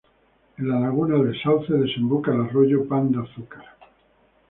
En la laguna del Sauce desemboca el arroyo Pan de Azúcar.